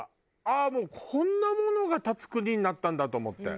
ああもうこんなものが建つ国になったんだと思って。